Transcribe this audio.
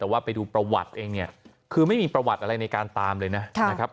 แต่ว่าไปดูประวัติเองเนี่ยคือไม่มีประวัติอะไรในการตามเลยนะครับ